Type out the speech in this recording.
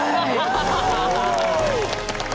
ハハハハハ！